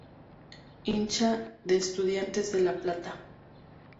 Hincha de Estudiantes de La Plata.